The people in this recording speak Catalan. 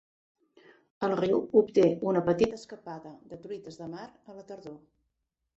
El riu obté una petita escapada de truites de mar a la tardor.